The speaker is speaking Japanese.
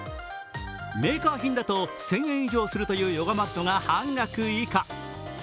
メーカー品だと１０００円以上するというヨガマットが半額以下。